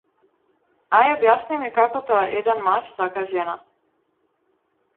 Ај објасни ми како тоа еден маж сака жена.